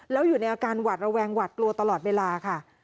แล้วอยู่ในอาการหวัดระแวงหวาดกลัวตลอดเวลาค่ะ